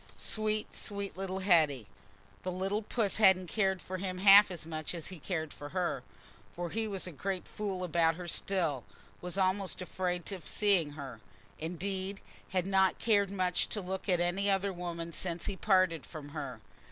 Sweet—sweet little Hetty! The little puss hadn't cared for him half as much as he cared for her; for he was a great fool about her still—was almost afraid of seeing her—indeed, had not cared much to look at any other woman since he parted from her.